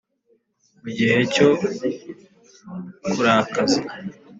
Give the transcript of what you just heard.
Mu gihe cyo kurakaza